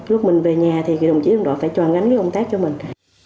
lúc mình về nhà thì đồng chí đồng đội phải cho gánh cái công tác cho mình